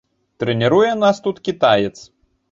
Трэніруе нас тут кітаец.